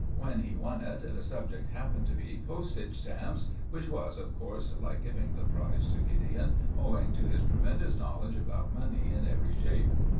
When he won it, the subject happened to be 'Postage Stamps'; which was, of course, like giving the prize to Gideon, owing to his tremendous knowledge about money in every shape.